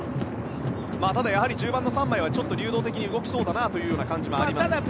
ただ、やはり中盤の３枚はちょっと流動的に動きそうな感じはあります。